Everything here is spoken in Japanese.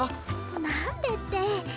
なんでって。